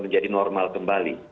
menjadi normal kembali